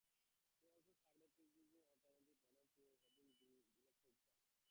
He also served as prosecuting attorney in Benton prior to having been elected judge.